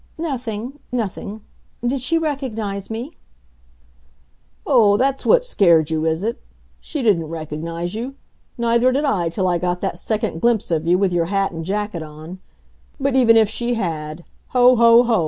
"Nothing nothing. Did she recognize me?" "Oh, that's what scared you, is it? She didn't recognize you. Neither did I, till I got that second glimpse of you with your hat and jacket on. But even if she had ho! ho! ho!